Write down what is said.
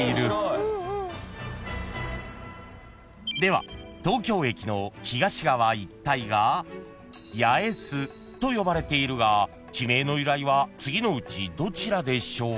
［では東京駅の東側一帯が八重洲と呼ばれているが地名の由来は次のうちどちらでしょう？］